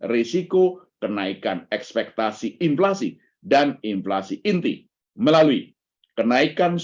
risiko kenaikan ekspektasi inflasi dan inflasi inti melalui kenaikan suku bunga